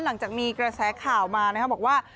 หลังจากมีกระแสข่าวมานะครับบอกว่า